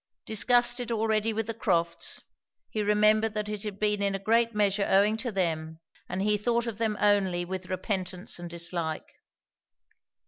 Disgusted already with the Crofts, he remembered that it had been in a great measure owing to them, and he thought of them only with repentance and dislike.